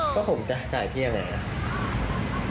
ก็ผมจะจ่ายเพียงไหนครับ